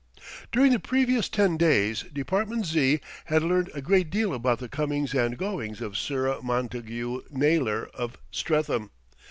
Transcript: During the previous ten days Department Z. had learned a great deal about the comings and goings of Mr. Montagu Naylor of Streatham.